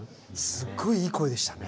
すっごいいい声でしたね。